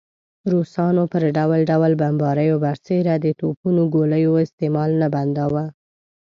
روسانو پر ډول ډول بمباریو برسېره د توپونو ګولیو استعمال نه بنداوه.